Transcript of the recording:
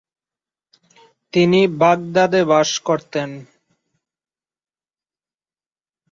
তিনি বাগদাদে বাস করতেন।